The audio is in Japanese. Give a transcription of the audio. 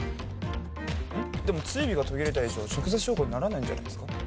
でも追尾が途切れた以上は直接証拠にならないんじゃないですか？